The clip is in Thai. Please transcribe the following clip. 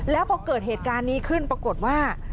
แล้วพอเกิดเหตุการณ์นี้ขึ้นปรากฏว่า